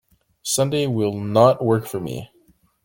Sunday will not work for me.